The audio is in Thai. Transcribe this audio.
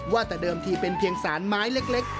ว่าแต่เดิมทีเป็นเพียงสารไม้เล็ก